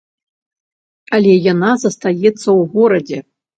Але яна застаецца ў горадзе.